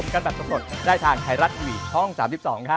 คุณผู้ชม